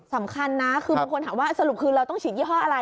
สำคัญนะคือบางคนถามว่าสรุปคือเราต้องฉีดยี่ห้ออะไร